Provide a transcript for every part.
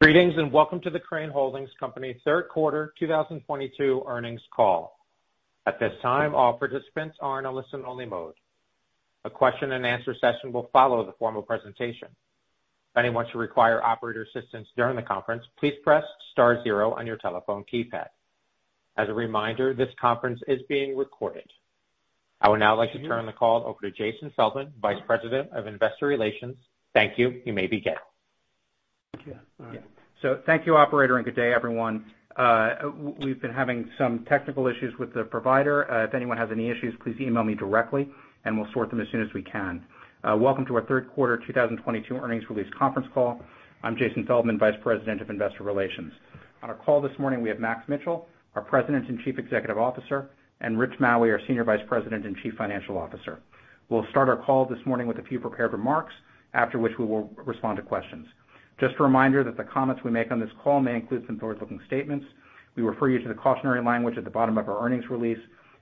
Greetings, and welcome to the Crane Holdings, Co. Q3 2022 earnings call. At this time, all participants are in a listen-only mode. A question-and-answer session will follow the formal presentation. If anyone should require operator assistance during the conference, please press star zero on your telephone keypad. As a reminder, this conference is being recorded. I would now like to turn the call over to Jason Feldman, Vice President of Investor Relations. Thank you. You may begin. Thank you. All right. Thank you, operator, and good day, everyone. We've been having some technical issues with the provider. If anyone has any issues, please email me directly, and we'll sort them as soon as we can. Welcome to our Q3 2022 earnings release conference call. I'm Jason Feldman, Vice President of Investor Relations. On our call this morning, we have Max Mitchell, our President and Chief Executive Officer, and Richard Maue, our Senior Vice President and Chief Financial Officer. We'll start our call this morning with a few prepared remarks, after which we will respond to questions. Just a reminder that the comments we make on this call may include some forward-looking statements. We refer you to the cautionary language at the bottom of our earnings release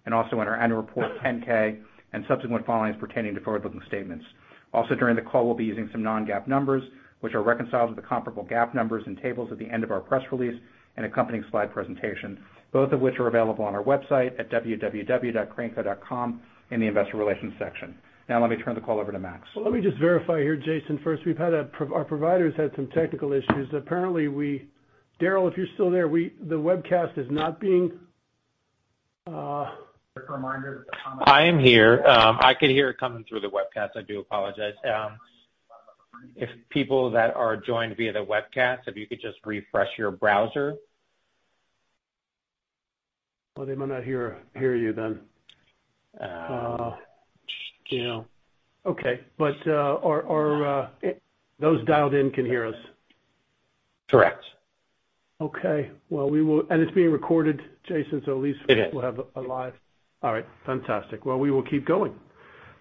and also in our annual report Form 10-K and subsequent filings pertaining to forward-looking statements. Also, during the call, we'll be using some non-GAAP numbers, which are reconciled with the comparable GAAP numbers and tables at the end of our press release and accompanying slide presentation, both of which are available on our website at www.craneco.com in the Investor Relations section. Now let me turn the call over to Max. Well, let me just verify here, Jason. First, our providers had some technical issues. Apparently, Daryl, if you're still there, the webcast is not being. Just a reminder that the comments. I am here. I could hear it coming through the webcast. I do apologize. If people that are joined via the webcast, if you could just refresh your browser. Well, they might not hear you then. Uh. You know. Okay. Are those dialed in? Can you hear us? Correct. Okay. Well, it's being recorded, Jason, so at least. It is. We'll have a live. All right. Fantastic. Well, we will keep going.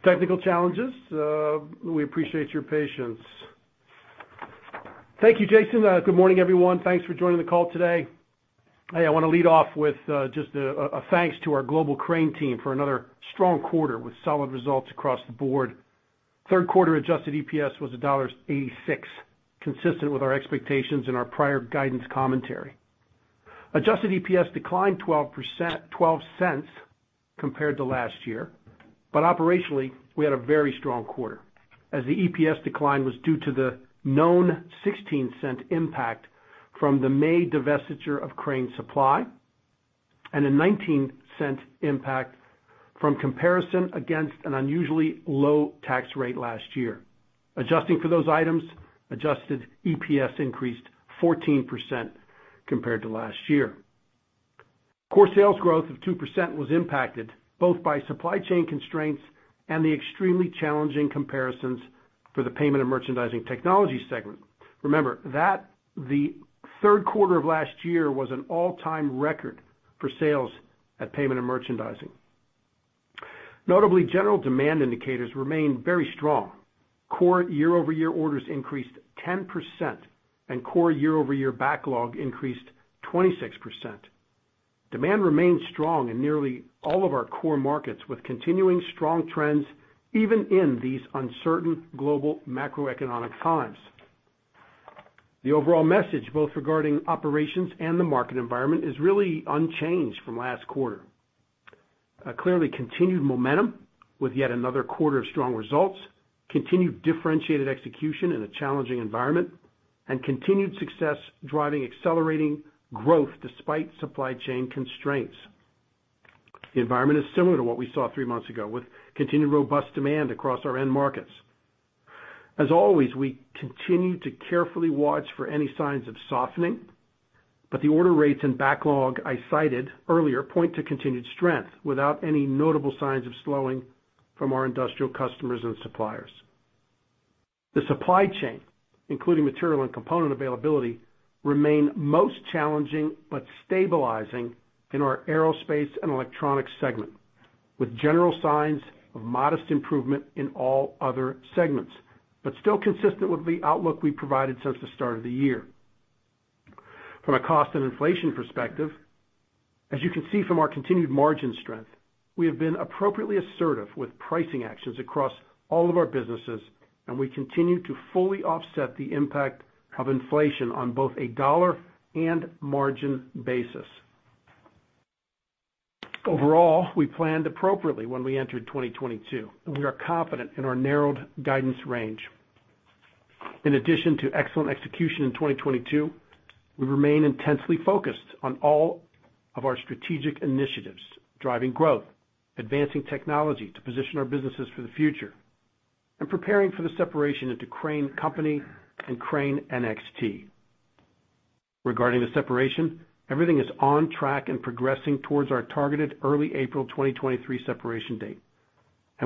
Technical challenges. We appreciate your patience. Thank you, Jason. Good morning, everyone. Thanks for joining the call today. I wanna lead off with just a thanks to our global Crane team for another strong quarter with solid results across the board. Q3 adjusted EPS was $1.86, consistent with our expectations and our prior guidance commentary. Adjusted EPS declined 12 cents compared to last year. Operationally, we had a very strong quarter, as the EPS decline was due to the known 16-cent impact from the May divestiture of Crane Supply, and a 19-cent impact from comparison against an unusually low tax rate last year. Adjusting for those items, adjusted EPS increased 14% compared to last year. Core sales growth of 2% was impacted both by supply chain constraints and the extremely challenging comparisons for the Payment & Merchandising Technologies segment. Remember that the Q3 of last year was an all-time record for sales at Payment & Merchandising. Notably, general demand indicators remained very strong. Core year-over-year orders increased 10%, and core year-over-year backlog increased 26%. Demand remained strong in nearly all of our core markets with continuing strong trends, even in these uncertain global macroeconomic times. The overall message, both regarding operations and the market environment, is really unchanged from last quarter. A clearly continued momentum with yet another quarter of strong results, continued differentiated execution in a challenging environment, and continued success driving accelerating growth despite supply chain constraints. The environment is similar to what we saw three months ago, with continued robust demand across our end markets. As always, we continue to carefully watch for any signs of softening, but the order rates and backlog I cited earlier point to continued strength without any notable signs of slowing from our industrial customers and suppliers. The supply chain, including material and component availability, remain most challenging but stabilizing in our Aerospace & Electronics segment, with general signs of modest improvement in all other segments, but still consistent with the outlook we've provided since the start of the year. From a cost and inflation perspective, as you can see from our continued margin strength, we have been appropriately assertive with pricing actions across all of our businesses, and we continue to fully offset the impact of inflation on both a dollar and margin basis. Overall, we planned appropriately when we entered 2022, and we are confident in our narrowed guidance range. In addition to excellent execution in 2022, we remain intensely focused on all of our strategic initiatives, driving growth, advancing technology to position our businesses for the future, and preparing for the separation into Crane Company and Crane NXT. Regarding the separation, everything is on track and progressing towards our targeted early April 2023 separation date.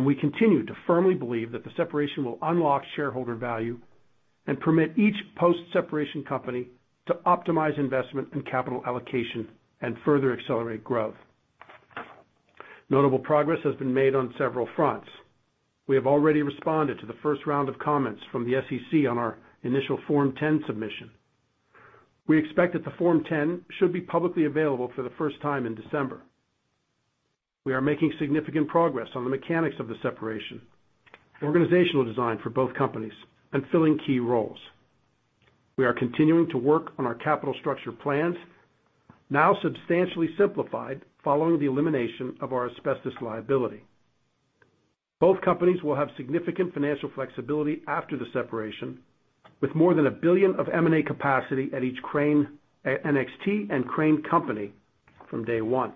We continue to firmly believe that the separation will unlock shareholder value and permit each post-separation company to optimize investment and capital allocation and further accelerate growth. Notable progress has been made on several fronts. We have already responded to the first round of comments from the SEC on our initial Form 10 submission. We expect that the Form 10 should be publicly available for the first time in December. We are making significant progress on the mechanics of the separation, organizational design for both companies, and filling key roles. We are continuing to work on our capital structure plans, now substantially simplified following the elimination of our asbestos liability. Both companies will have significant financial flexibility after the separation, with more than $1 billion of M&A capacity at each NXT and Crane Company from day one.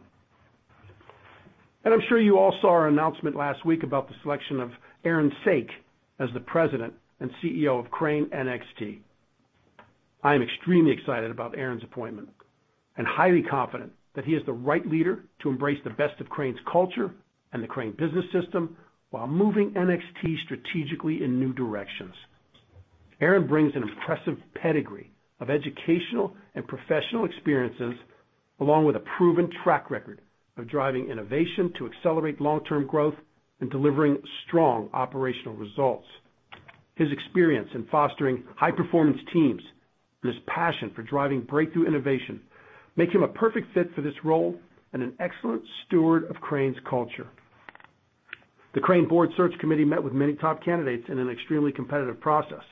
I'm sure you all saw our announcement last week about the selection of Aaron Saak as the President and CEO of Crane NXT. I am extremely excited about Aaron's appointment and highly confident that he is the right leader to embrace the best of Crane's culture and the Crane Business System while moving NXT strategically in new directions. Aaron brings an impressive pedigree of educational and professional experiences, along with a proven track record of driving innovation to accelerate long-term growth and delivering strong operational results. His experience in fostering high-performance teams and his passion for driving breakthrough innovation make him a perfect fit for this role and an excellent steward of Crane's culture. The Crane board search committee met with many top candidates in an extremely competitive process,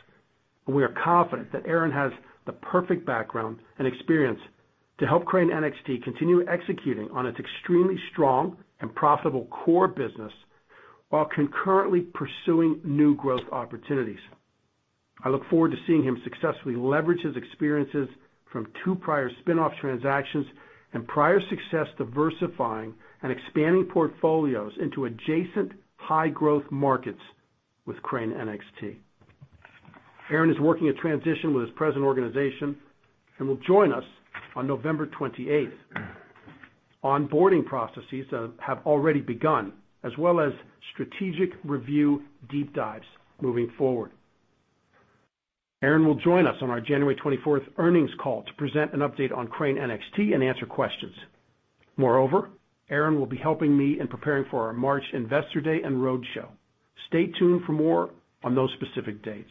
and we are confident that Aaron has the perfect background and experience to help Crane NXT continue executing on its extremely strong and profitable core business while concurrently pursuing new growth opportunities. I look forward to seeing him successfully leverage his experiences from two prior spin-off transactions and prior success diversifying and expanding portfolios into adjacent high-growth markets with Crane NXT. Aaron is working a transition with his present organization and will join us on November 28th. Onboarding processes have already begun, as well as strategic review deep dives moving forward. Aaron will join us on our January 24th earnings call to present an update on Crane NXT and answer questions. Moreover, Aaron will be helping me in preparing for our March Investor Day and roadshow. Stay tuned for more on those specific dates.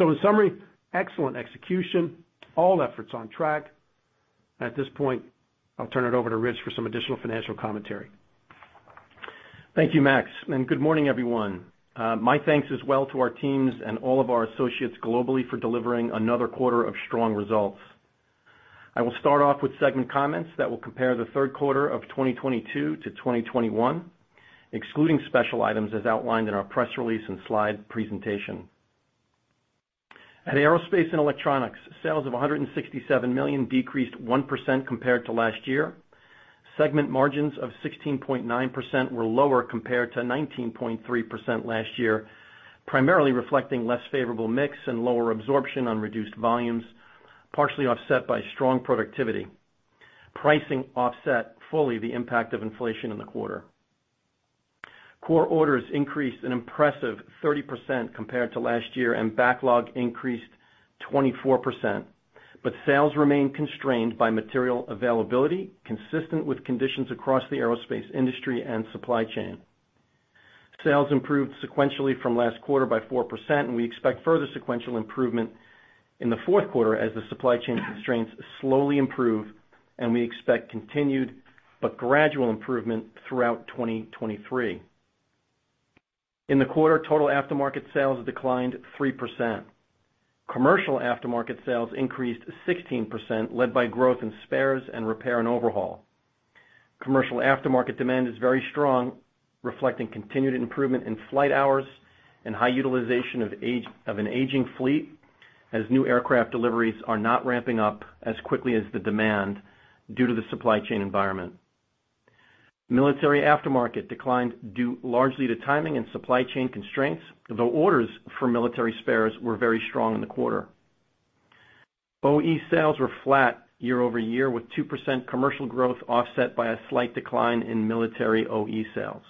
In summary, excellent execution, all efforts on track. At this point, I'll turn it over to Rich for some additional financial commentary. Thank you, Max, and good morning, everyone. My thanks as well to our teams and all of our associates globally for delivering another quarter of strong results. I will start off with segment comments that will compare the Q3 of 2022 to 2021, excluding special items as outlined in our press release and slide presentation. At Aerospace and Electronics, sales of $167 million decreased 1% compared to last year. Segment margins of 16.9% were lower compared to 19.3% last year, primarily reflecting less favorable mix and lower absorption on reduced volumes, partially offset by strong productivity. Pricing offset fully the impact of inflation in the quarter. Core orders increased an impressive 30% compared to last year, and backlog increased 24%, but sales remain constrained by material availability, consistent with conditions across the aerospace industry and supply chain. Sales improved sequentially from last quarter by 4%, and we expect further sequential improvement in the Q4 as the supply chain constraints slowly improve, and we expect continued but gradual improvement throughout 2023. In the quarter, total aftermarket sales declined 3%. Commercial aftermarket sales increased 16%, led by growth in spares and repair and overhaul. Commercial aftermarket demand is very strong, reflecting continued improvement in flight hours and high utilization of an aging fleet, as new aircraft deliveries are not ramping up as quickly as the demand due to the supply chain environment. Military aftermarket declined due largely to timing and supply chain constraints, though orders for military spares were very strong in the quarter. OE sales were flat year over year, with 2% commercial growth offset by a slight decline in military OE sales.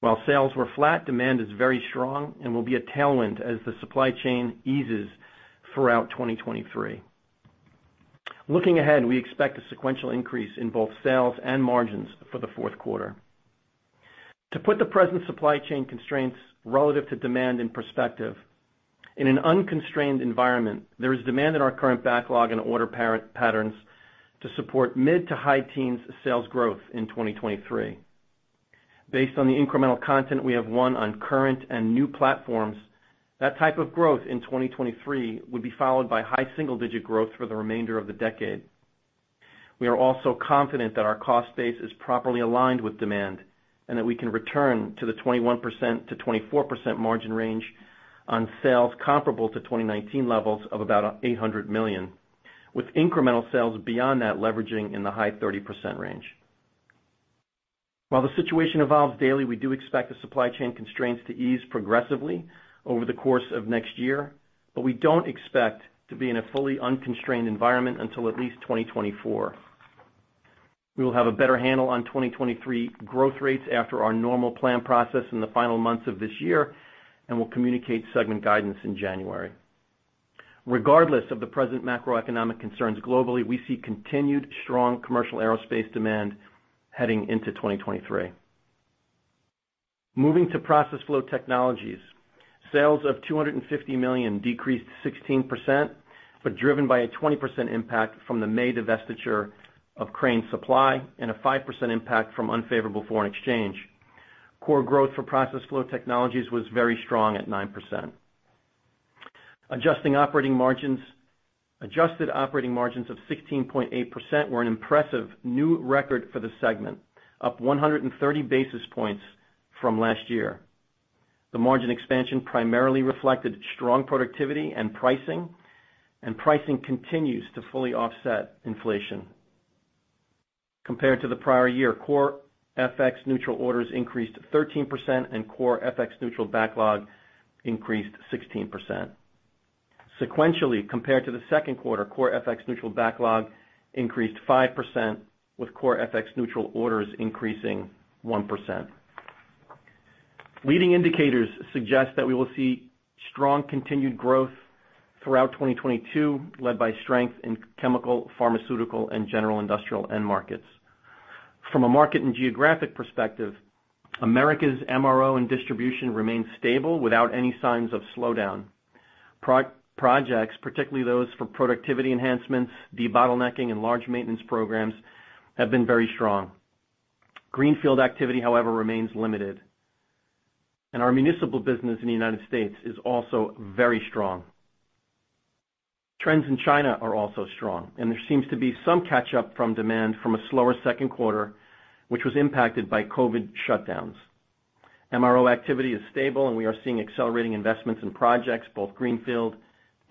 While sales were flat, demand is very strong and will be a tailwind as the supply chain eases throughout 2023. Looking ahead, we expect a sequential increase in both sales and margins for the Q4. To put the present supply chain constraints relative to demand in perspective, in an unconstrained environment, there is demand in our current backlog and order patterns to support mid- to high-teens% sales growth in 2023. Based on the incremental content we have won on current and new platforms, that type of growth in 2023 would be followed by high single-digit% growth for the remainder of the decade. We are also confident that our cost base is properly aligned with demand, and that we can return to the 21%-24% margin range on sales comparable to 2019 levels of about $800 million, with incremental sales beyond that leveraging in the high 30% range. While the situation evolves daily, we do expect the supply chain constraints to ease progressively over the course of next year, but we don't expect to be in a fully unconstrained environment until at least 2024. We will have a better handle on 2023 growth rates after our normal plan process in the final months of this year and will communicate segment guidance in January. Regardless of the present macroeconomic concerns globally, we see continued strong commercial aerospace demand heading into 2023. Moving to Process Flow Technologies. Sales of $250 million decreased 16%, but driven by a 20% impact from the May divestiture of Crane Supply and a 5% impact from unfavorable foreign exchange. Core growth for Process Flow Technologies was very strong at 9%. Adjusted operating margins of 16.8% were an impressive new record for the segment, up 130 basis points from last year. The margin expansion primarily reflected strong productivity and pricing, and pricing continues to fully offset inflation. Compared to the prior year, core FX neutral orders increased 13% and core FX neutral backlog increased 16%. Sequentially, compared to the second quarter, core FX neutral backlog increased 5%, with core FX neutral orders increasing 1%. Leading indicators suggest that we will see strong continued growth throughout 2022, led by strength in chemical, pharmaceutical, and general industrial end markets. From a market and geographic perspective, America's MRO and distribution remain stable without any signs of slowdown. Pro-projects, particularly those for productivity enhancements, debottlenecking, and large maintenance programs, have been very strong. Greenfield activity, however, remains limited. Our municipal business in the United States is also very strong. Trends in China are also strong, and there seems to be some catch-up from demand from a slower second quarter, which was impacted by COVID shutdowns. MRO activity is stable, and we are seeing accelerating investments in projects, both greenfield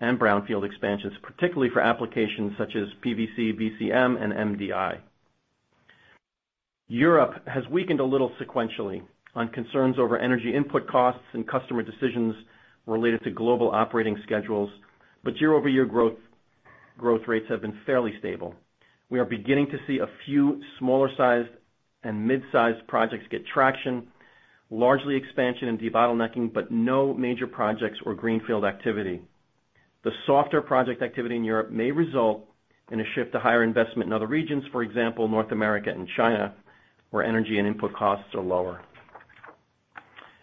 and brownfield expansions, particularly for applications such as PVC, VCM, and MDI. Europe has weakened a little sequentially on concerns over energy input costs and customer decisions related to global operating schedules, but year-over-year growth rates have been fairly stable. We are beginning to see a few smaller sized and mid-sized projects get traction, largely expansion and debottlenecking, but no major projects or greenfield activity. The softer project activity in Europe may result in a shift to higher investment in other regions, for example, North America and China, where energy and input costs are lower.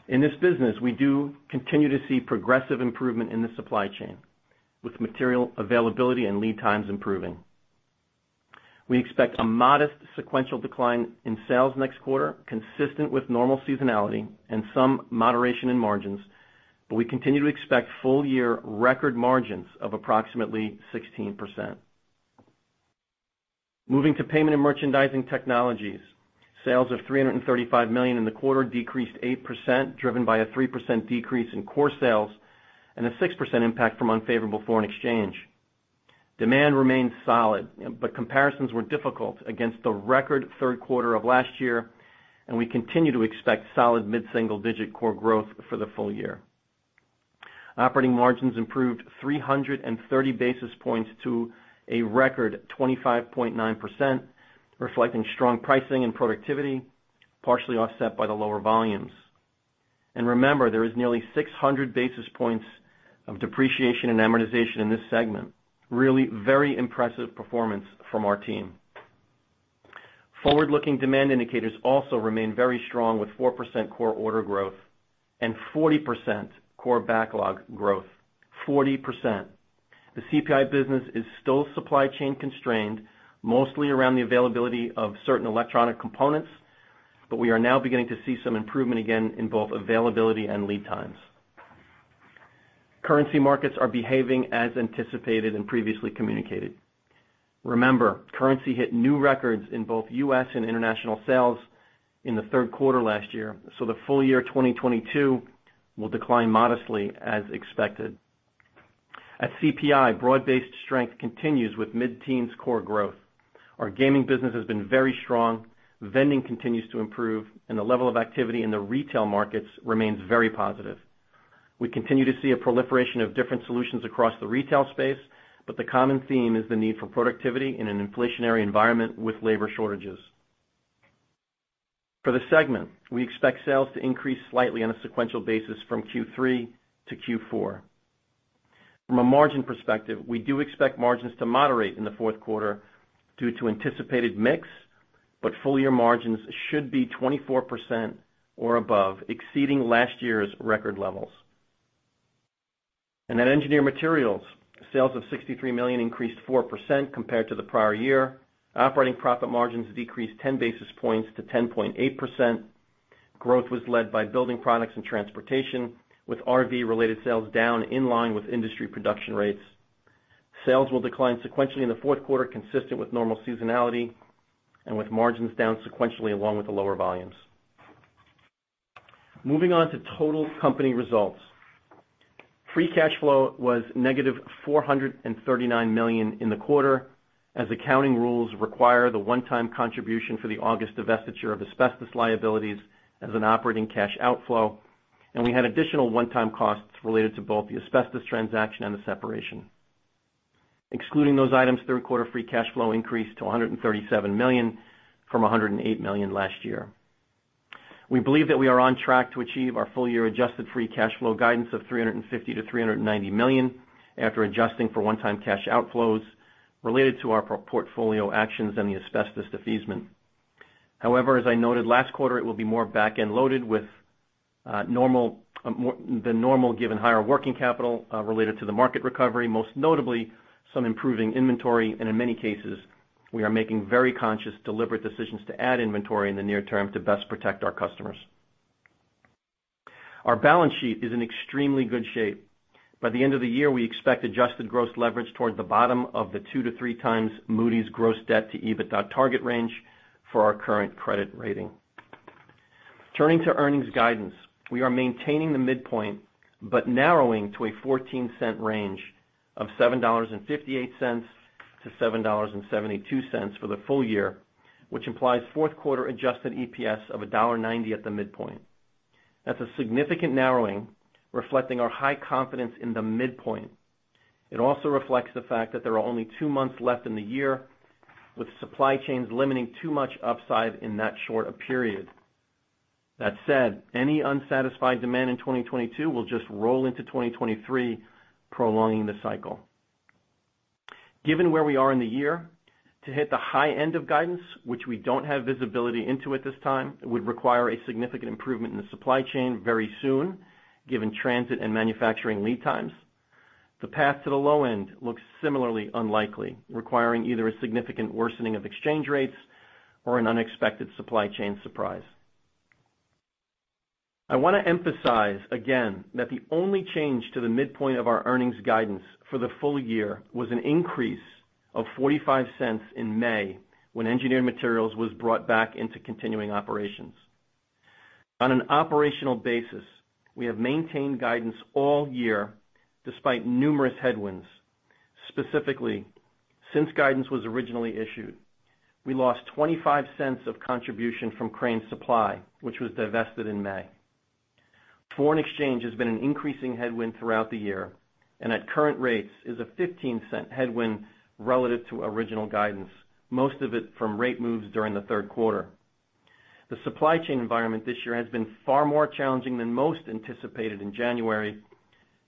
In this business, we do continue to see progressive improvement in the supply chain, with material availability and lead times improving. We expect a modest sequential decline in sales next quarter, consistent with normal seasonality and some moderation in margins, but we continue to expect full-year record margins of approximately 16%. Moving to Payment & Merchandising Technologies. Sales of $335 million in the quarter decreased 8%, driven by a 3% decrease in core sales and a 6% impact from unfavorable foreign exchange. Demand remained solid, but comparisons were difficult against the record Q3 of last year, and we continue to expect solid mid-single-digit core growth for the full year. Operating margins improved 330 basis points to a record 25.9%, reflecting strong pricing and productivity, partially offset by the lower volumes. Remember, there is nearly 600 basis points of depreciation and amortization in this segment. Really very impressive performance from our team. Forward-looking demand indicators also remain very strong, with 4% core order growth and 40% core backlog growth. Forty percent. The CPI business is still supply chain constrained, mostly around the availability of certain electronic components, but we are now beginning to see some improvement again in both availability and lead times. Currency markets are behaving as anticipated and previously communicated. Remember, currency hit new records in both U.S. and international sales in the Q3 last year, so the full year 2022 will decline modestly as expected. At CPI, broad-based strength continues with mid-teens core growth. Our gaming business has been very strong, vending continues to improve, and the level of activity in the retail markets remains very positive. We continue to see a proliferation of different solutions across the retail space, but the common theme is the need for productivity in an inflationary environment with labor shortages. For the segment, we expect sales to increase slightly on a sequential basis from Q3 to Q4. From a margin perspective, we do expect margins to moderate in the Q4 due to anticipated mix, but full-year margins should be 24% or above, exceeding last year's record levels. At Engineered Materials, sales of $63 million increased 4% compared to the prior year. Operating profit margins decreased 10 basis points to 10.8%. Growth was led by building products and transportation, with RV-related sales down in line with industry production rates. Sales will decline sequentially in the Q4, consistent with normal seasonality and with margins down sequentially along with the lower volumes. Moving on to total company results. Free cash flow was -$439 million in the quarter, as accounting rules require the one-time contribution for the August divestiture of asbestos liabilities as an operating cash outflow, and we had additional one-time costs related to both the asbestos transaction and the separation. Excluding those items, Q3 free cash flow increased to $137 million from $108 million last year. We believe that we are on track to achieve our full year adjusted free cash flow guidance of $350 million-$390 million after adjusting for one-time cash outflows. Related to our portfolio actions and the asbestos abatement. However, as I noted last quarter, it will be more back-end loaded with more than normal given higher working capital related to the market recovery, most notably some improving inventory, and in many cases, we are making very conscious, deliberate decisions to add inventory in the near term to best protect our customers. Our balance sheet is in extremely good shape. By the end of the year, we expect adjusted gross leverage toward the bottom of the 2-3 times Moody's gross debt to EBITDA target range for our current credit rating. Turning to earnings guidance, we are maintaining the midpoint, but narrowing to a 14-cent range of $7.58-$7.72 for the full year, which implies Q4 adjusted EPS of $1.90 at the midpoint. That's a significant narrowing reflecting our high confidence in the midpoint. It also reflects the fact that there are only two months left in the year, with supply chains limiting too much upside in that short a period. That said, any unsatisfied demand in 2022 will just roll into 2023, prolonging the cycle. Given where we are in the year, to hit the high end of guidance, which we don't have visibility into at this time, it would require a significant improvement in the supply chain very soon, given transit and manufacturing lead times. The path to the low end looks similarly unlikely, requiring either a significant worsening of exchange rates or an unexpected supply chain surprise. I wanna emphasize again that the only change to the midpoint of our earnings guidance for the full year was an increase of $0.45 in May when Engineered Materials was brought back into continuing operations. On an operational basis, we have maintained guidance all year despite numerous headwinds. Specifically, since guidance was originally issued, we lost $0.25 of contribution from Crane Supply, which was divested in May. Foreign exchange has been an increasing headwind throughout the year and at current rates is a $0.15 headwind relative to original guidance, most of it from rate moves during the Q3. The supply chain environment this year has been far more challenging than most anticipated in January,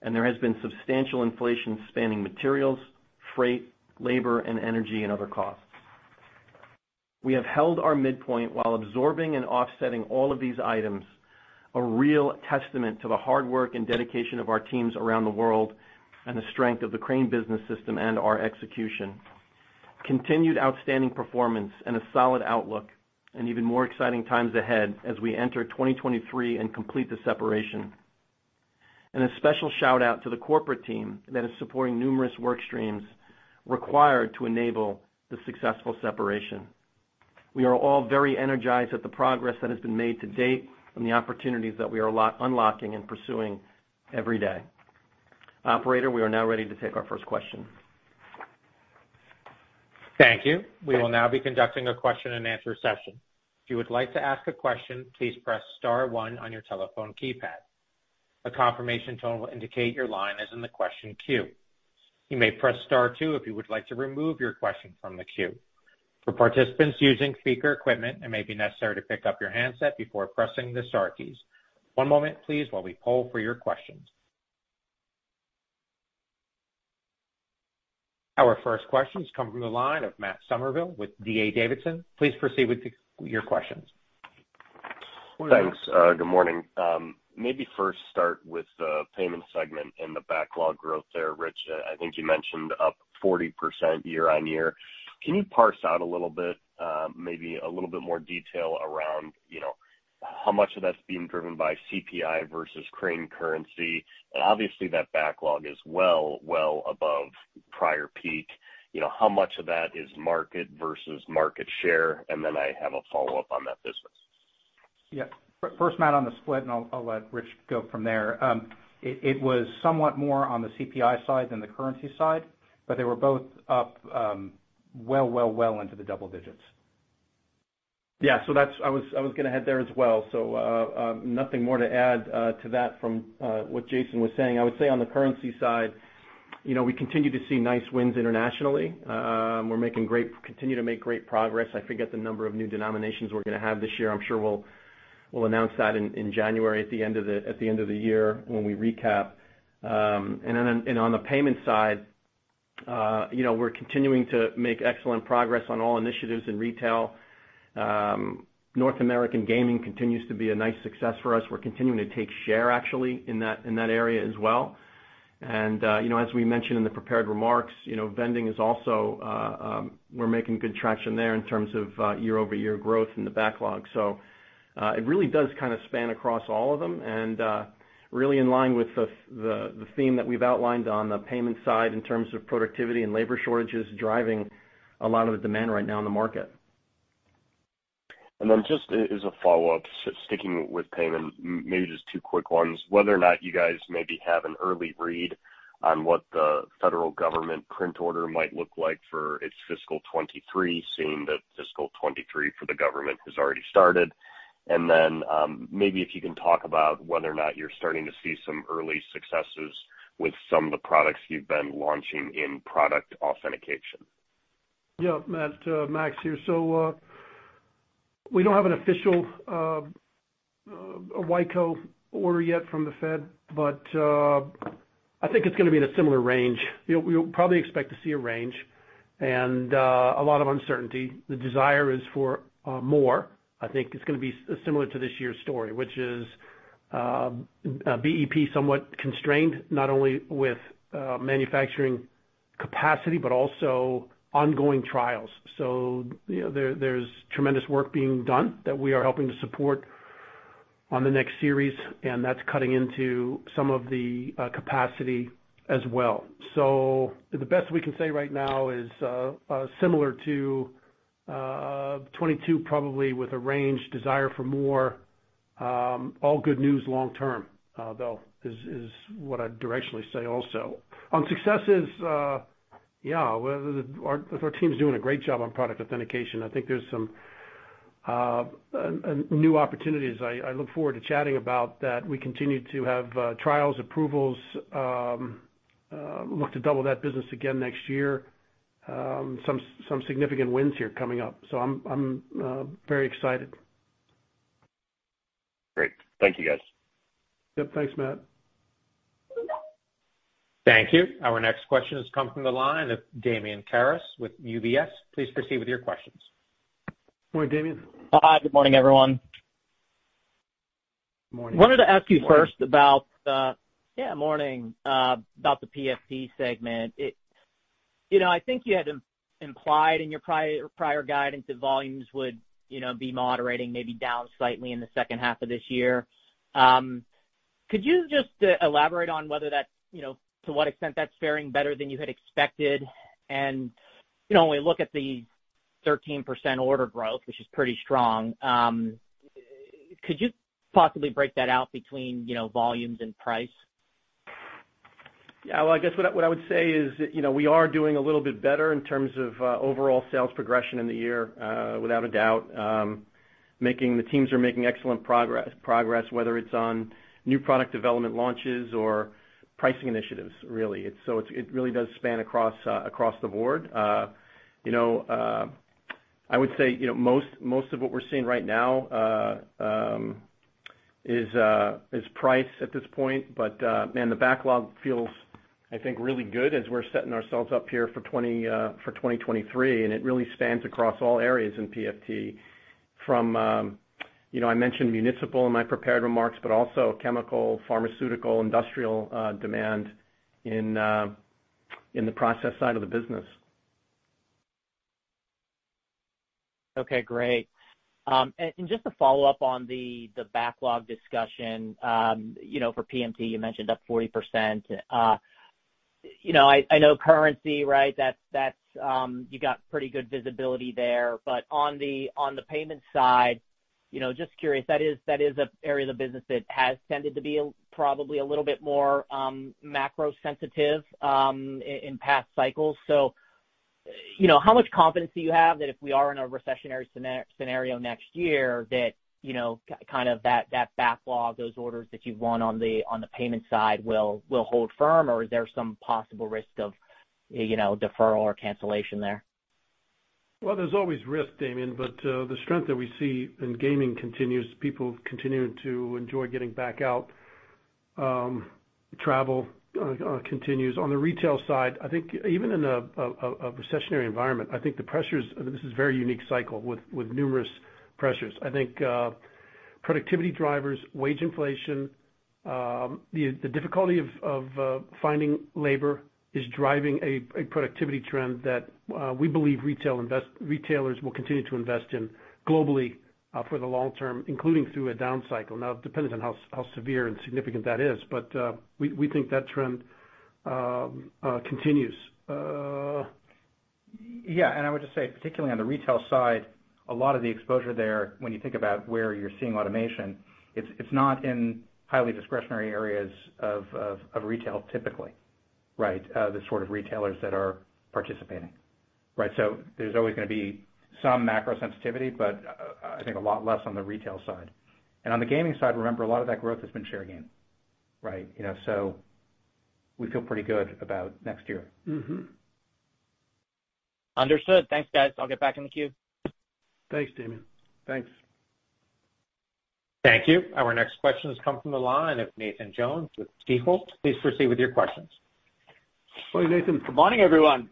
and there has been substantial inflation spanning materials, freight, labor, and energy and other costs. We have held our midpoint while absorbing and offsetting all of these items, a real testament to the hard work and dedication of our teams around the world and the strength of the Crane Business System and our execution. Continued outstanding performance and a solid outlook, and even more exciting times ahead as we enter 2023 and complete the separation. A special shout-out to the corporate team that is supporting numerous work streams required to enable the successful separation. We are all very energized at the progress that has been made to date and the opportunities that we are unlocking and pursuing every day. Operator, we are now ready to take our first question. Thank you. We will now be conducting a question-and-answer session. If you would like to ask a question, please press star one on your telephone keypad. A confirmation tone will indicate your line is in the question queue. You may press star two if you would like to remove your question from the queue. For participants using speaker equipment, it may be necessary to pick up your handset before pressing the star keys. One moment, please, while we poll for your questions. Our first question is coming from the line of Matt Summerville with D.A. Davidson. Please proceed with your questions. Thanks. Good morning. Maybe first start with the payment segment and the backlog growth there, Rich. I think you mentioned up 40% year-on-year. Can you parse out a little bit, maybe a little bit more detail around, you know, how much of that's being driven by CPI versus Crane Currency? And obviously, that backlog is well above prior peak. You know, how much of that is market versus market share? And then I have a follow-up on that business. Yeah. First, Matt, on the split, and I'll let Rich go from there. It was somewhat more on the CPI side than the currency side, but they were both up, well into the double digits. Yeah. So that's. I was gonna head there as well. Nothing more to add to that from what Jason was saying. I would say on the currency side, you know, we continue to see nice wins internationally. We continue to make great progress. I forget the number of new denominations we're gonna have this year. I'm sure we'll announce that in January at the end of the year when we recap. On the payment side, you know, we are continuing to make excellent progress on all initiatives in retail. North American gaming continues to be a nice success for us. We're continuing to take share actually in that area as well. You know, as we mentioned in the prepared remarks, you know, vending is also, we are making good traction there in terms of year-over-year growth in the backlog. It really does kind of span across all of them and really in line with the theme that we have outlined on the payment side in terms of productivity and labor shortages driving a lot of the demand right now in the market. Just, as a follow-up, sticking with payment, maybe just 2 quick ones. Whether or not you guys maybe have an early read on what the federal government print order might look like for its fiscal 2023, seeing that fiscal 2023 for the government has already started. Maybe if you can talk about whether or not you are starting to see some early successes with some of the products you have been launching in product authentication. Yeah, Matt, Max here. We don't have an official a WECO order yet from the Fed, but I think it's gonna be in a similar range. You know, we will probably expect to see a range and a lot of uncertainty. The desire is for more. I think it's gonna be similar to this year's story, which is BEP somewhat constrained, not only with manufacturing capacity but also ongoing trials. You know, there's tremendous work being done that we are helping to support on the next series, and that's cutting into some of the capacity as well. The best we can say right now is similar to 2022 probably with a range desire for more, all good news long term, though, is what I'd directionally say also. On successes, well, our team's doing a great job on product authentication. I think there's some new opportunities I look forward to chatting about that. We continue to have trials, approvals, look to double that business again next year. Some significant wins here coming up. So I'm very excited. Great. Thank you, guys. Yep. Thanks, Matt. Thank you. Our next question has come from the line of Damian Karas with UBS. Please proceed with your questions. Morning, Damian. Hi, good morning, everyone. Morning. Wanted to ask you first about the PFT segment. You know, I think you had implied in your prior guidance that volumes would be moderating maybe down slightly in the second half of this year. Could you just elaborate on whether that's to what extent that's faring better than you had expected? You know, when we look at the 13% order growth, which is pretty strong, could you possibly break that out between volumes and price? Yeah. Well, I guess what I would say is that, you know, we are doing a little bit better in terms of overall sales progression in the year without a doubt. The teams are making excellent progress whether it's on new product development launches or pricing initiatives really. It really does span across the board. You know, I would say, you know, most of what we're seeing right now is price at this point. Man, the backlog feels, I think, really good as we're setting ourselves up here for 2023, and it really spans across all areas in PFT from, you know, I mentioned municipal in my prepared remarks, but also chemical, pharmaceutical, industrial demand in the process side of the business. Okay, great. And just to follow up on the backlog discussion, you know, for PMT, you mentioned up 40%. You know, I know currency, right? That's you have got pretty good visibility there. But on the payment side, you know, just curious, that is an area of the business that has tended to be probably a little bit more macro sensitive in past cycles. You know, how much confidence do you have that if we are in a recessionary scenario next year that, you know, kind of that backlog, those orders that you've won on the payment side will hold firm or is there some possible risk of, you know, deferral or cancellation there? Well, there's always risk, Damian. But the strength that we see in gaming continues. People continuing to enjoy getting back out. Travel continues. On the retail side, I think even in a recessionary environment, I think the pressures, this is a very unique cycle with numerous pressures. I think productivity drivers, wage inflation, the difficulty of finding labor is driving a productivity trend that we believe retailers will continue to invest in globally for the long term, including through a down cycle. Now, it depends on how severe and significant that is. We think that trend continues. Yeah. I would just say, particularly on the retail side, a lot of the exposure there when you think about where you're seeing automation, it's not in highly discretionary areas of retail typically, right? The sort of retailers that are participating, right? So there's always gonna be some macro sensitivity, but I think a lot less on the retail side. On the gaming side, remember a lot of that growth has been share gain, right? You know, so we feel pretty good about next year. Mm-hmm. Understood. Thanks, guys. I'll get back in the queue. Thanks, Damian. Thanks. Thank you. Our next question has come from the line of Nathan Jones with Stifel. Please proceed with your questions. Morning, Nathan. Good morning, everyone.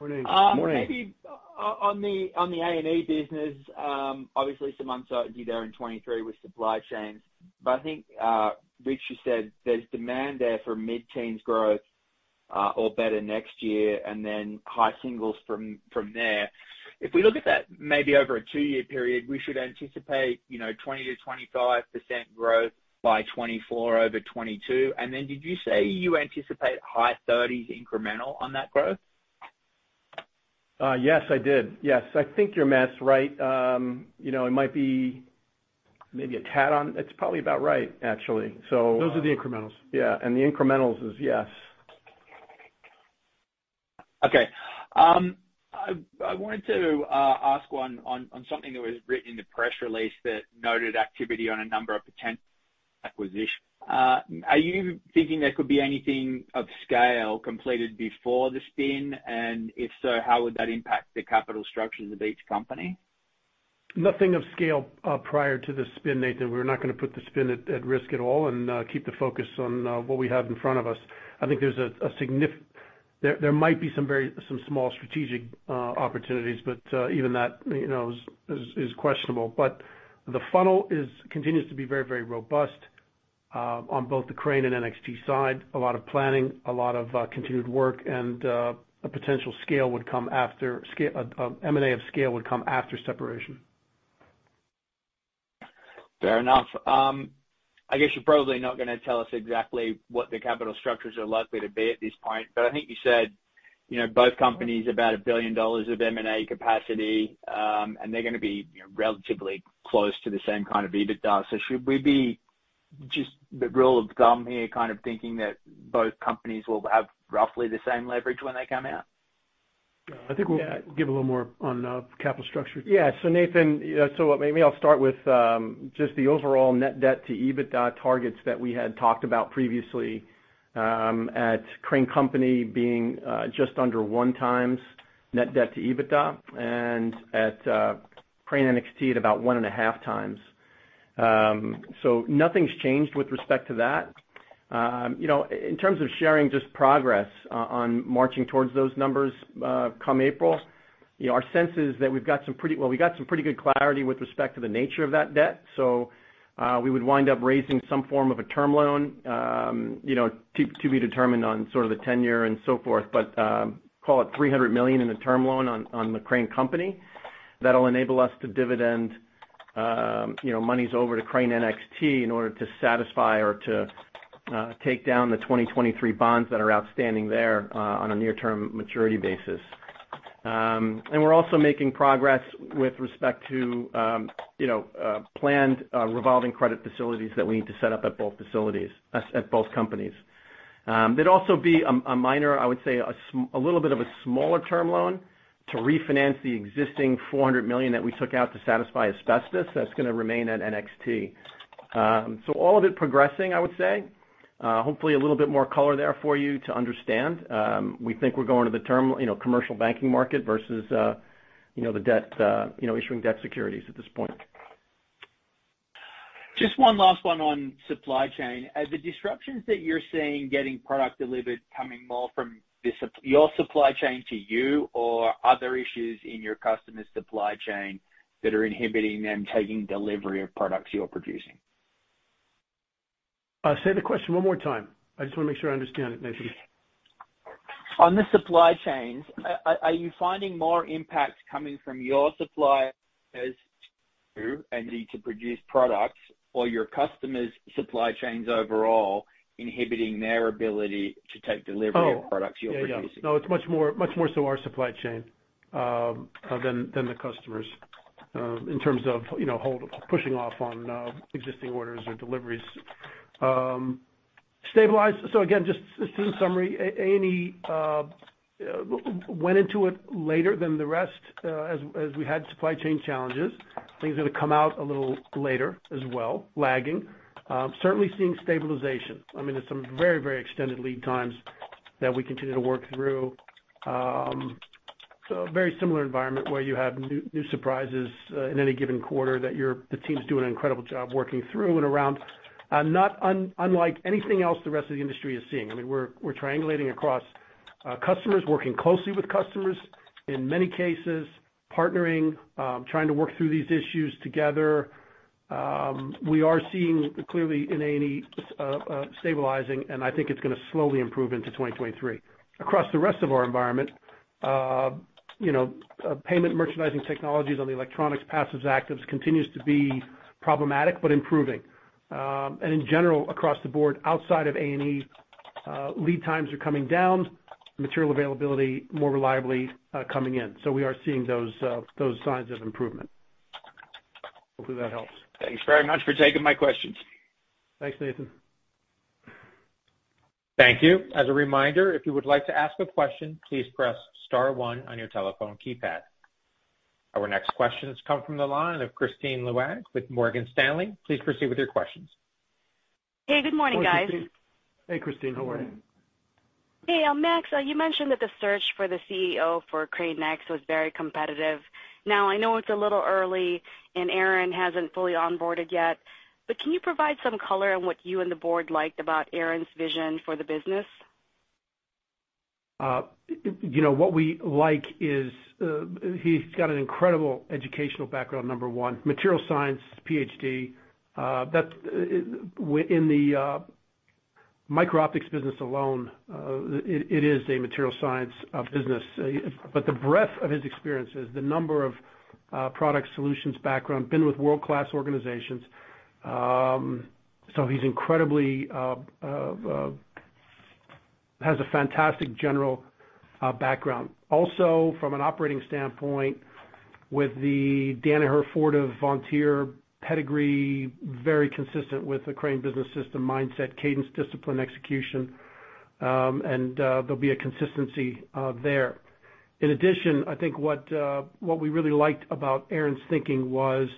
Morning. Morning. Maybe on the A&E business, obviously some uncertainty there in 2023 with supply chains. I think, Rich, you said there's demand there for mid-teens growth or better next year, and then high singles from there. If we look at that maybe over a two-year period, we should anticipate, you know, 20%-25% growth by 2024 over 2022. Did you say you anticipate high 30s incremental on that growth? Yes, I did. Yes. I think your math's right. You know, it's probably about right actually. Those are the incrementals. Yeah. The incrementals is yes. Okay. I wanted to ask one on something that was written in the press release that noted activity on a number of potential acquisitions. Are you thinking there could be anything of scale completed before the spin? If so, how would that impact the capital structure of each company? Nothing of scale prior to the spin, Nathan. We re not gonna put the spin at risk at all and keep the focus on what we have in front of us. I think there might be some small strategic opportunities, but even that, you know, is questionable. The funnel continues to be very robust on both the Crane and NXT side. A lot of planning, a lot of continued work, and M&A of scale would come after separation. Fair enough. I guess you are probably not gonna tell us exactly what the capital structures are likely to be at this point, but I think you said, you know, both companies about $1 billion of M&A capacity, and they're gonna be, you know, relatively close to the same kind of EBITDA. Should we be just the rule of thumb here, kind of thinking that both companies will have roughly the same leverage when they come out? I think we'll give a little more on the capital structure. Yeah. Nathan, maybe I'll start with just the overall net debt to EBITDA targets that we had talked about previously at Crane Company being just under one times net debt to EBITDA and at Crane NXT at about one and a half times. Nothing's changed with respect to that. You know, in terms of sharing just progress on marching towards those numbers, come April, you know, our sense is that we've got some pretty good clarity with respect to the nature of that debt. We would wind up raising some form of a term loan, you know, to be determined on sort of the tenure and so forth. Call it $300 million in the term loan on the Crane Company. That will enable us to dividend, you know, monies over to Crane NXT in order to satisfy or to take down the 2023 bonds that are outstanding there on a near-term maturity basis. We are also making progress with respect to, you know, planned revolving credit facilities that we need to set up at both companies. There'd also be a minor, I would say, a little bit smaller term loan to refinance the existing $400 million that we took out to satisfy asbestos that's gonna remain at NXT. All of it progressing, I would say. Hopefully, a little bit more color there for you to understand. We think we are going to use the term, you know, commercial banking market versus, you know, the debt, you know, issuing debt securities at this point. Just one last one on supply chain. Are the disruptions that you are seeing getting product delivered coming more from your supply chain to you, or are there issues in your customer's supply chain that are inhibiting them taking delivery of products you're producing? Say the question one more time. I just wanna make sure I understand it, Nathan. On the supply chains, are you finding more impact coming from your suppliers and need to produce products or your customers' supply chains overall inhibiting their ability to take delivery of products you are producing? Oh. Yeah, yeah. No, it's much more, much more so our supply chain than the customers in terms of, you know, hold, pushing off on existing orders or deliveries. Stabilized. Again, just in summary, A&E went into it later than the rest as we had supply chain challenges. Things are gonna come out a little later as well, lagging. Certainly seeing stabilization. I mean, there's some very, very extended lead times that we continue to work through. Very similar environment where you have new surprises in any given quarter that the team's doing an incredible job working through and around, not unlike anything else the rest of the industry is seeing. I mean, we're triangulating across customers, working closely with customers, in many cases, partnering, trying to work through these issues together. We are seeing clearly in A&E stabilizing, and I think it's gonna slowly improve into 2023. Across the rest of our environment, Payment & Merchandising Technologies on the electronics, passives, actives continues to be problematic but improving. In general, across the board, outside of A&E, lead times are coming down, material availability more reliably coming in. We are seeing those signs of improvement. Hopefully, that helps. Thanks very much for taking my questions. Thanks, Nathan. Thank you. As a reminder, if you would like to ask a question, please press star one on your telephone keypad. Our next question has come from the line of Kristine Liwag with Morgan Stanley. Please proceed with your questions. Hey, good morning, guys. Hey, Christine. How are you? Good morning. Hey. Max, you mentioned that the search for the CEO for Crane NXT was very competitive. Now, I know it's a little early and Aaron hasn't fully onboarded yet, but can you provide some color on what you and the board liked about Aaron's vision for the business? You know, what we like is, he's got an incredible educational background, number one, material science PhD. That in the micro optics business alone, it is a material science business. But the breadth of his experiences, the number of product solutions background, been with world-class organizations. So he's incredibly has a fantastic general background. Also, from an operating standpoint, with the Danaher, Fortive, Vontier pedigree, very consistent with the Crane Business System mindset, cadence, discipline, execution. There'll be a consistency there. In addition, I think what we really liked about Aaron Saak's thinking was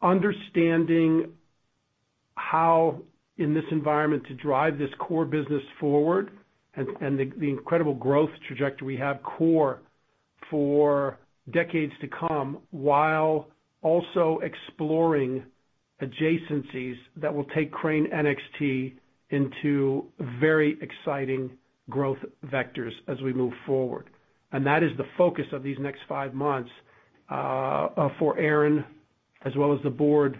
understanding how in this environment to drive this core business forward and the incredible growth trajectory we have in store for decades to come, while also exploring adjacencies that will take Crane NXT into very exciting growth vectors as we move forward. That is the focus of these next five months for Aaron Saak as well as the board,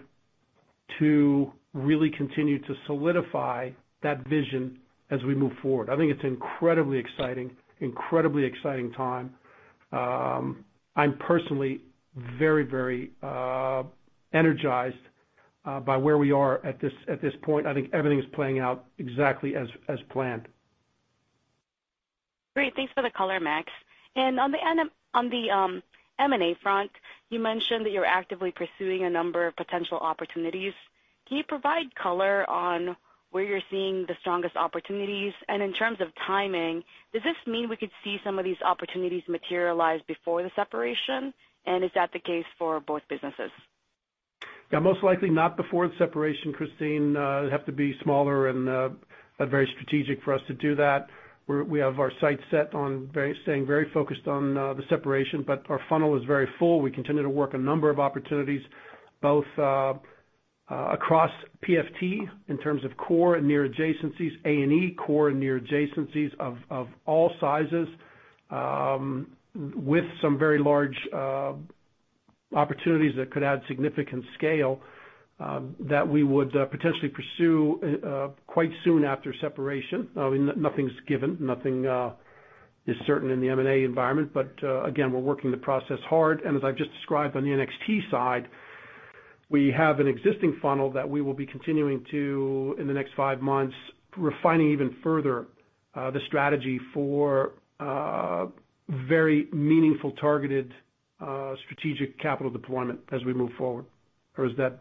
to really continue to solidify that vision as we move forward. I think it's incredibly exciting time. I'm personally very energized by where we are at this point. I think everything's playing out exactly as planned. Great. Thanks for the color, Max. On the M&A front, you mentioned that you're actively pursuing a number of potential opportunities. Can you provide color on where you're seeing the strongest opportunities? In terms of timing, does this mean we could see some of these opportunities materialize before the separation? Is that the case for both businesses? Yeah, most likely not before the separation, Christine. It'd have to be smaller and very strategic for us to do that. We have our sights set on staying very focused on the separation, but our funnel is very full. We continue to work a number of opportunities both across PFT in terms of core and near adjacencies, A&E core and near adjacencies of all sizes, with some very large opportunities that could add significant scale, that we would potentially pursue quite soon after separation. I mean, nothing's given. Nothing is certain in the M&A environment, but again, we are working the process hard. As I've just described on the NXT side, we have an existing funnel that we will be continuing to, in the next five months, refining even further, the strategy for a very meaningful, targeted, strategic capital deployment as we move forward, or as that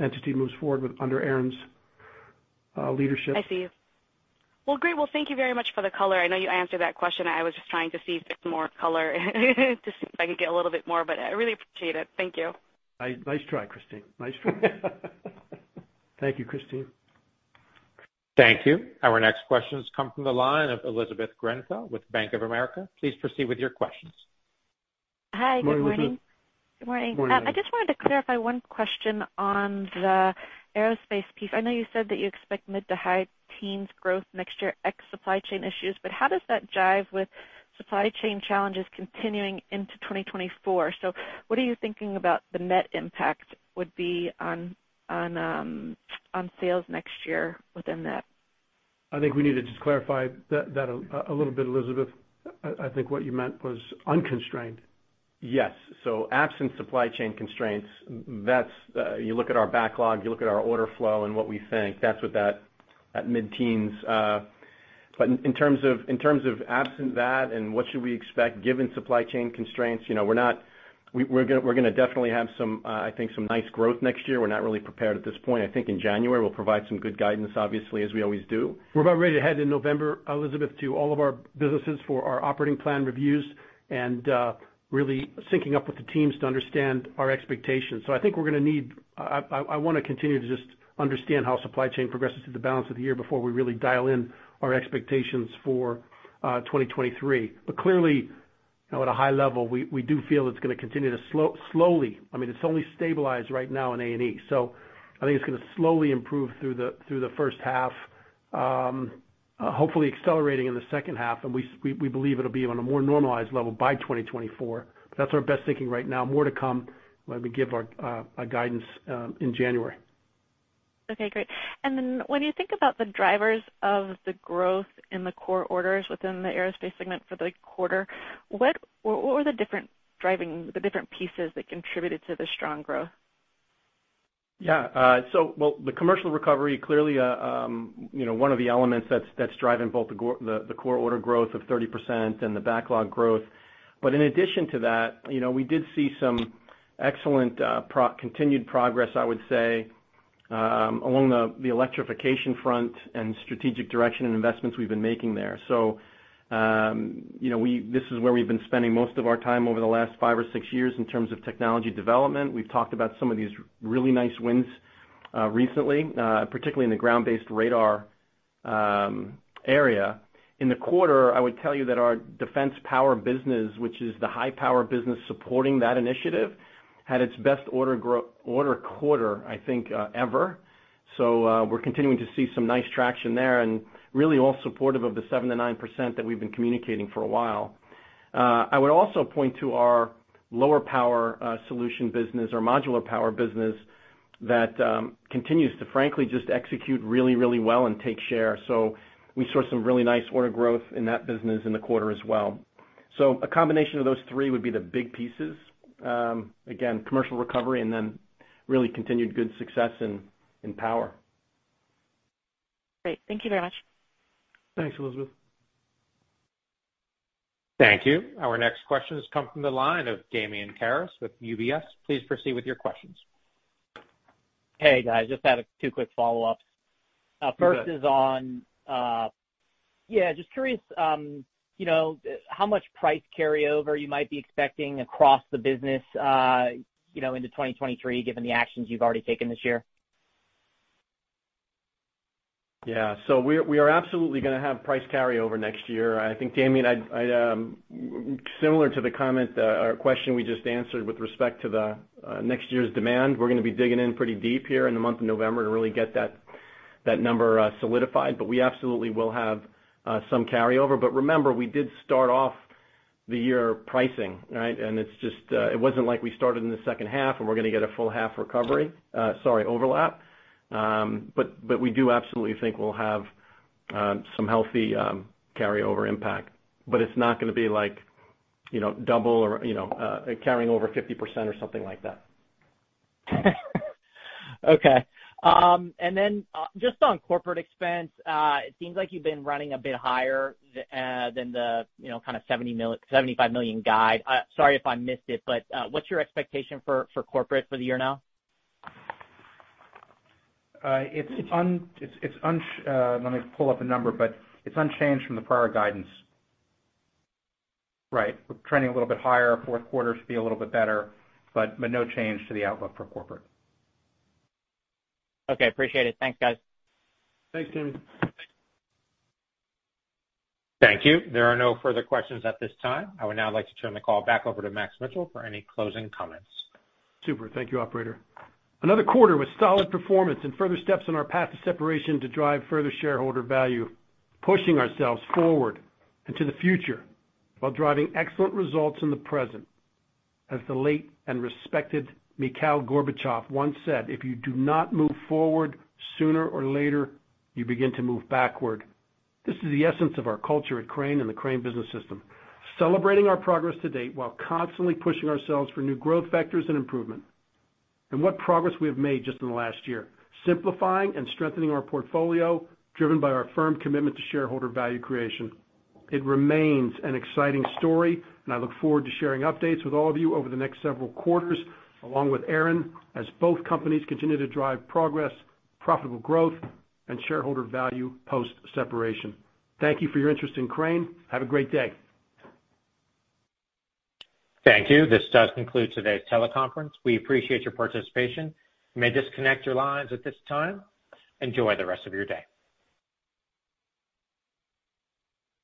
entity moves forward with under Aaron's leadership. I see. Well, great. Well, thank you very much for the color. I know you answered that question. I was just trying to see if there's more color, just see if I can get a little bit more, but I really appreciate it. Thank you. Nice try, Christine. Nice try. Thank you, Christine Liwag. Thank you. Our next questions come from the line of Elizabeth Grenfell with Bank of America. Please proceed with your questions. Hi, good morning. Good morning. Good morning. Good morning. I just wanted to clarify one question on the aerospace piece. I know you said that you expect mid to high teens growth next year, ex supply chain issues, but how does that jibe with supply chain challenges continuing into 2024? What are you thinking about the net impact would be on sales next year within that? I think we need to just clarify that a little bit, Elizabeth. I think what you meant was ,unconstrained. Yes, so absent supply chain constraints, that's you look at our backlog, you look at our order flow and what we think, that's what that mid-teens. In terms of absent that and what should we expect given supply chain constraints, you know, we're gonna definitely have some, I think, some nice growth next year. We're not really prepared at this point. I think in January, we will provide some good guidance, obviously, as we always do. We are about ready to head in November, Elizabeth, to all of our businesses for our operating plan reviews and really syncing up with the teams to understand our expectations. I think we're gonna need I wanna continue to just understand how supply chain progresses through the balance of the year before we really dial in our expectations for 2023. Clearly, you know, at a high level, we do feel it's gonna continue to slow, slowly. I mean, it's only stabilized right now in A&E. I think it's gonna slowly improve through the first half, hopefully accelerating in the second half. We believe it'll be on a more normalized level by 2024. That is our best thinking right now. More to come when we give our guidance in January. Okay, great. When you think about the drivers of the growth in the core orders within the aerospace segment for the quarter, what were the different pieces that contributed to the strong growth? Yeah. Well, the commercial recovery clearly, you know, one of the elements that's driving both the the core order growth of 30% and the backlog growth. In addition to that, you know, we did see some excellent continued progress, I would say, along the the electrification front and strategic direction and investments we've been making there. You know, this is where we have been spending most of our time over the last 5 or 6 years in terms of technology development. We've talked about some of these really nice wins, recently, particularly in the ground-based radar area. In the quarter, I would tell you that our defense power business, which is the high power business supporting that initiative, had its best order quarter, I think, ever. We are continuing to see some nice traction there and really all supportive of the 7%-9% that we have been communicating for a while. I would also point to our lower power solution business or modular power business that continues to frankly just execute really, really well and take share. We saw some really nice order growth in that business in the quarter as well. A combination of those three would be the big pieces. Again, commercial recovery and then really continued good success in power. Great. Thank you very much. Thanks, Elizabeth. Thank you. Our next question has come from the line of Damian Karas with UBS. Please proceed with your questions. Hey, guys. Just two quick follow-ups. First is on, yeah, just curious, you know, how much price carryover you might be expecting across the business, you know, into 2023, given the actions you have already taken this year. Yeah. We are absolutely gonna have price carryover next year. I think, Damian, similar to the comment or question we just answered with respect to next year's demand, we are gonna be digging in pretty deep here in the month of November to really get that number solidified. We absolutely will have some carryover. Remember, we did start off the year pricing, right? It's just, it wasn't like we started in the second half, and we are gonna get a full half recovery, sorry, overlap. We do absolutely think we'll have some healthy carryover impact. It's not gonna be like, you know, double or, you know, carrying over 50% or something like that. Okay. Just on corporate expense, it seems like you've been running a bit higher than the, you know, kind of $70-$75 million guide. Sorry if I missed it, but what's your expectation for corporate for the year now? It's unchanged from the prior guidance. Right. We are trending a little bit higher. Q4 should be a little bit better, but no change to the outlook for corporate. Okay, appreciate it. Thanks, guys. Thanks, Damian. Thank you. There are no further questions at this time. I would now like to turn the call back over to Max Mitchell for any closing comments. Super. Thank you, operator. Another quarter with solid performance and further steps in our path to separation to drive further shareholder value, pushing ourselves forward into the future while driving excellent results in the present. As the late and respected Mikhail Gorbachev once said, "If you do not move forward, sooner or later, you begin to move backward." This is the essence of our culture at Crane and the Crane Business System, celebrating our progress to date while constantly pushing ourselves for new growth vectors and improvement. What progress we have made just in the last year, simplifying and strengthening our portfolio, driven by our firm commitment to shareholder value creation. It remains an exciting story, and I look forward to sharing updates with all of you over the next several quarters, along with Aaron, as both companies continue to drive progress, profitable growth, and shareholder value post-separation. Thank you for your interest in Crane. Have a great day. Thank you. This does conclude today's teleconference. We appreciate your participation. You may disconnect your lines at this time. Enjoy the rest of your day.